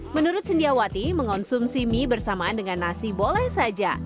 menurut sindiawati mengonsumsi mie bersamaan dengan nasi boleh saja